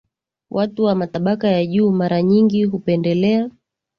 Watu wa matabaka ya juu mara nyingi hupendelea